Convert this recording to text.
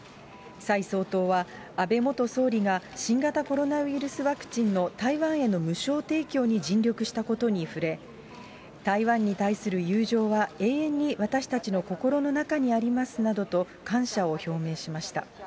蔡総統は、安倍元総理が新型コロナウイルスワクチンの台湾への無償提供に尽力したことに触れ、台湾に対する友情は永遠に私たちの心の中にありますなどと、感謝を表明しました。